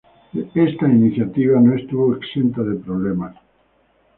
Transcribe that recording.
Esta iniciativa no estuvo exenta de problemas.